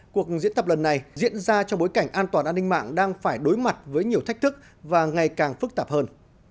cuộc diễn tập lần này diễn ra trong bối cảnh an toàn an ninh mạng đang phải đối mặt với nhiều thách thức và ngày càng phức tạp hơn